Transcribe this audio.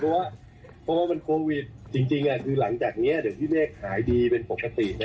เพราะว่ามันโควิดจริงคือหลังจากนี้เดี๋ยวพี่เมฆหายดีเป็นปกติ